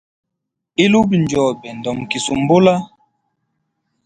Ilubi njobe, ndomikisumbula.